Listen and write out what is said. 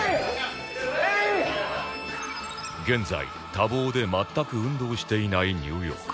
現在多忙で全く運動していないニューヨーク